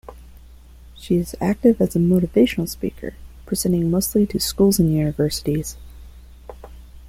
She is active as a motivational speaker, presenting mostly to schools and universities.